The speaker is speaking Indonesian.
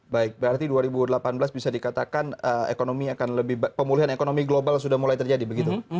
baik berarti dua ribu delapan belas bisa dikatakan ekonomi akan lebih pemulihan ekonomi global sudah mulai terjadi begitu